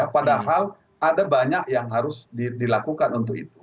padahal ada banyak yang harus dilakukan untuk itu